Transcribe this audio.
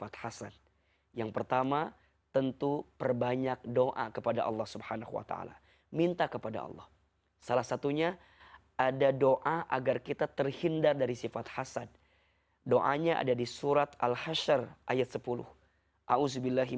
terima kasih ustadz